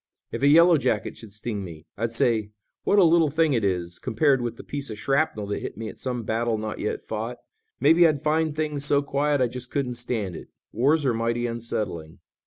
If a yellow jacket should sting me, I'd say what a little thing it is, compared with the piece of shrapnel that hit me at some battle not yet fought. Maybe I'd find things so quiet I just couldn't stand it. Wars are mighty unsettling."